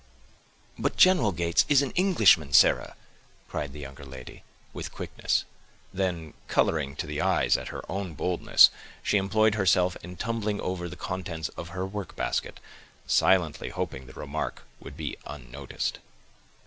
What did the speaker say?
"But General Gates is an Englishman, Sarah," cried the younger lady, with quickness; then, coloring to the eyes at her own boldness, she employed herself in tumbling over the contents of her work basket, silently hoping the remark would be unnoticed.